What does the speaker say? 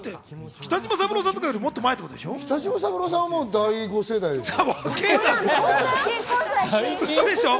北島三郎さんとかよりも、もっと前でしょう。